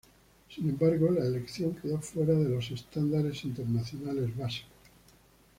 Sin embargo, la elección quedó fuera de los estándares internacionales básicos.